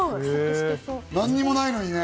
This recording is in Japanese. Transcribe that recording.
何もないのにね。